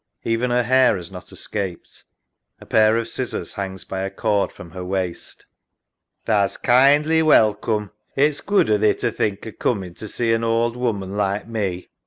Even her hair has not escaped. A pair of scissors hangs by a cord from her waist. SARAH. Tha's kindly welcoom. It's good o' thee to think o' coomin' to see an ould woman like me.